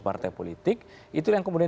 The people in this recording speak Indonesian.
partai politik itu yang kemudian